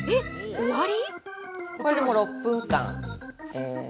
終わり？